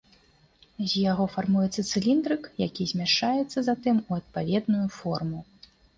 З яго фармуецца цыліндрык, які змяшчаецца затым у адпаведную форму.